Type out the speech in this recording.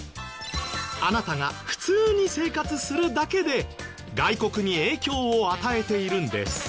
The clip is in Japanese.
あなたが普通に生活するだけで外国に影響を与えているんです。